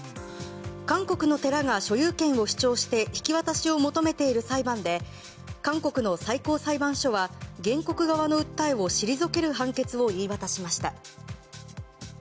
韓国の寺が所有権を主張して引き渡しを求めている裁判で韓国の最高裁判所は、原告側の訴えを退ける判決を言い渡しました。